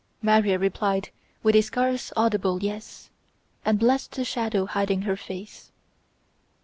Maria replied with a scarce audible "Yes," and blessed the shadow hiding her face.